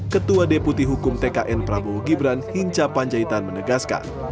ketua deputi hukum tkn prabowo gibran hinca panjaitan menegaskan